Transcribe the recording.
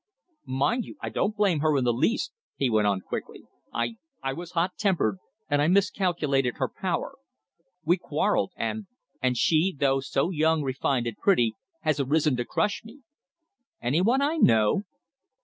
"Mind you, I don't blame her in the least," he went on quickly, "I I was hot tempered, and I miscalculated her power. We quarrelled, and and she, though so young, refined and pretty, has arisen to crush me." "Anyone I know?"